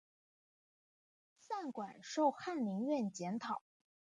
散馆授翰林院检讨。